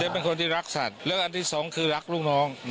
เป็นคนที่รักสัตว์และอันที่สองคือรักลูกน้อง